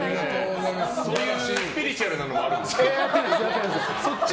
そういうスピリチュアルなのもあるのね。